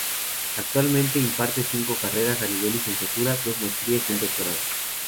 Actualmente imparte cinco carreras a nivel licenciatura, dos maestrías y un doctorado.